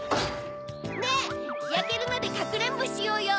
ねぇやけるまでかくれんぼしようよ！